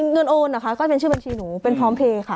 เงินโอนนะคะก็เป็นชื่อบัญชีหนูเป็นพร้อมเพลย์ค่ะ